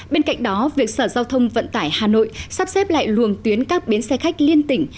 bên cạnh đó việc sở giao thông vận tải hà nội sắp xếp lại luồng tuyến các bến xe khách liên tỉnh